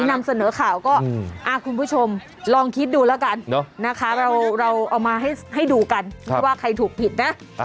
นำเสนอข่าวก็คุณผู้ชมลองคิดดูแล้วกันนะคะเราเอามาให้ดูกันว่าใครถูกผิดนะ